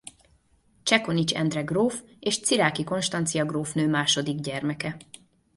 Csekonics Endre gróf és Cziráky Konstancia grófnő második gyermeke.